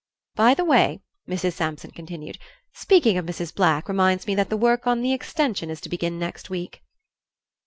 "By the way," Mrs. Sampson continued, "speaking of Mrs. Black reminds me that the work on the extension is to begin next week."